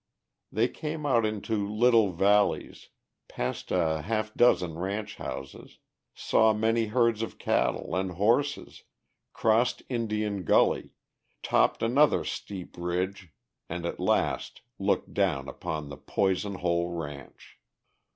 They came out into little valleys, past a half dozen ranch houses, saw many herds of cattle and horses, crossed Indian Gully, topped another steep ridge and at last looked down upon the Poison Hole ranch.